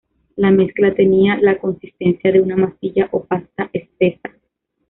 La mezcla tenía la consistencia de una masilla o pasta espesa.